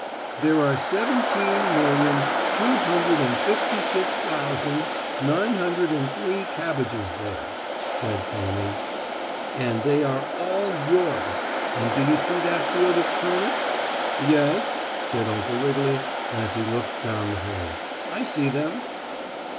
"There are seventeen million, two hundred and fifty six thousand, nine hundred and three cabbages there," said Sammie, "and they are all yours. And do you see that field of turnips?" "Yes," said Uncle Wiggily, as he looked down the hill, "I see them."